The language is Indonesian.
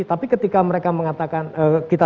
tapi ketika mereka mengatakan kita